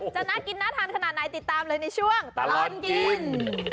จะน่ากินน่าทานขนาดไหนติดตามเลยในช่วงตลอดกิน